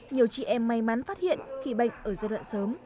nhiều chị em may mắn phát hiện khi bệnh ở giai đoạn sớm